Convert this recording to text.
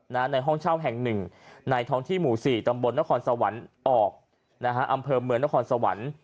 ในห้องเช่าแห่งหนึ่งในท้องที่หมู่๔ตำบลนครสวรรค์ออกนะฮะอำเภอเมืองนครสวรรค์